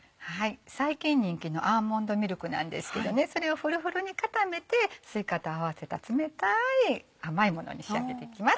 最近人気のアーモンドミルクなんですけどねそれをふるふるに固めてすいかと合わせた冷たい甘いものに仕上げていきます。